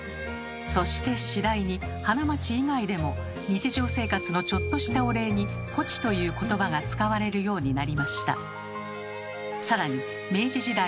そして次第に花街以外でも日常生活のちょっとしたお礼に「ぽち」という言葉が使われるようになりました。